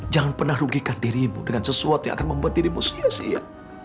jangan pernah rugikan dirimu dengan sesuatu yang akan membuat dirimu sia sia